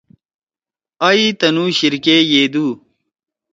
آ یی تنھو شیر کے یے دو